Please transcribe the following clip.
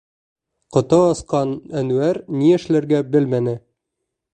Ҡото осҡан Әнүәр ни эшләргә белмәне.